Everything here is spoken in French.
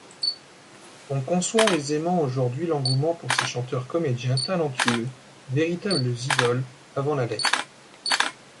On conçoit aisément aujourd’hui l’engouement pour ces chanteurs-comédiens talentueux, véritables idoles avant la lettre.